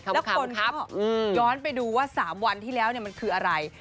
แล้วคนก็ย้อนไปดูว่า๓วันที่แล้วมันคืออะไร